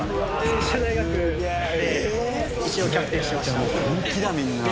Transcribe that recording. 専修大学で一応キャプテンしてました。